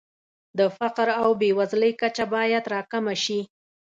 د فقر او بېوزلۍ کچه باید راکمه شي.